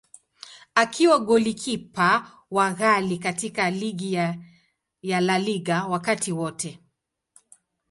Akiwa golikipa wa ghali katika ligi ya La Liga wakati wote.